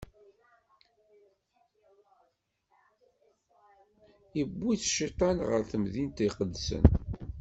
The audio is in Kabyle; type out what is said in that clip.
Iwwi-t Cciṭan ɣer temdint iqedsen.